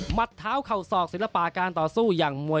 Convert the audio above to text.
เท้าเข่าศอกศิลปะการต่อสู้อย่างมวย